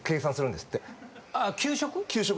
給食？